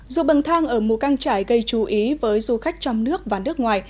dù bầng thang ở mù căng trải gây chú ý với du khách trong nước và nước ngoài